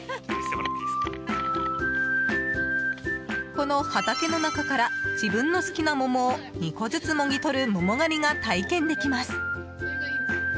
この畑の中から自分の好きな桃を２個ずつもぎとる桃狩りが体験できます。